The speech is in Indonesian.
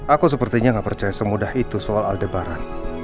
aku sepertinya gak percaya semudah itu soal aldebaran